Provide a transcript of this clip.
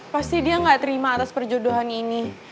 pasti dia nggak terima atas perjodohan ini